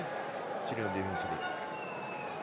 チリのディフェンスに。